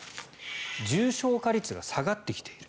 重症化率が下がってきている。